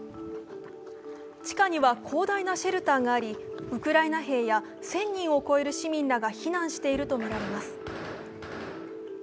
地下には広大なシェルターがありウクライナ兵や１０００人を超える市民らが避難しているといいます。